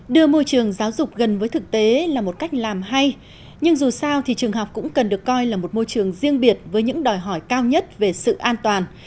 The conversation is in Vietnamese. đưa môi trường giáo dục gần với thực tế là một cách làm hay nhưng dù sao thì trường học cũng cần được coi là một môi trường riêng biệt với những đòi hỏi cao nhất về sự an toàn